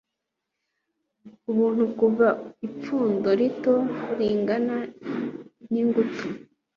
Ubuntu kuva ipfundo rito bingana ningutu